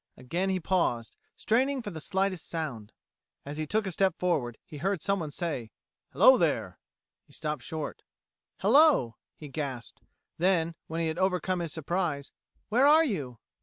Again he paused, straining for the slightest sound. As he took a step forward he heard someone say: "Hello, there!" He stopped short. "Hello," he gasped; then, when he had overcome his surprise, "Where are you?"